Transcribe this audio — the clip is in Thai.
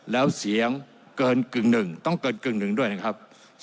แล้วเสียงเกินกึ่งหนึ่งต้องเกินกึ่งหนึ่งด้วยนะครับ